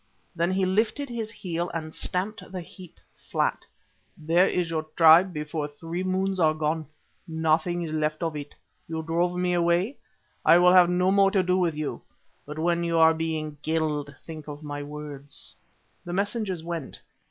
Then he lifted his heel and stamped the heap flat. "There is your tribe before three moons are gone. Nothing is left of it. You drove me away: I will have no more to do with you; but when you are being killed think of my words." The messengers went.